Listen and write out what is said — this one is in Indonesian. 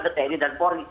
ada tni dan poli